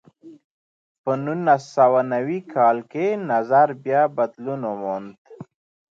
په نولس سوه نوي کال کې نظر بیا بدلون وموند.